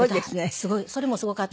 すごい。それもすごかった。